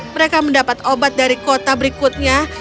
mereka mendapat obat dari kota berikutnya